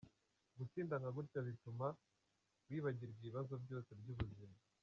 Gutsinda nka gutya bituma wibagirwa ibibazo byose by’ubuzima.